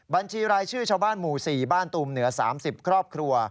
บัญชีรายชื่อชาวบ้านหมู่๔บ้านตูมเหนือ๓๐ครอบครัว